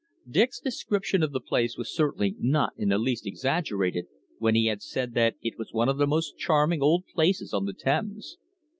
Dick's description of the place was certainly not in the least exaggerated when he had said that it was one of the most charming old places on the Thames.